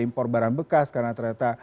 impor barang bekas karena ternyata